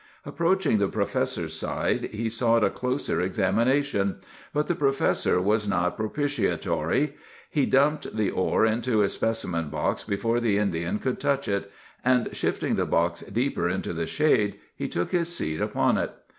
"Approaching the professor's side, he sought a closer examination; but the professor was not propitiatory. He dumped the ore into his specimen box before the Indian could touch it; and shifting the box deeper into the shade, he took his seat upon it.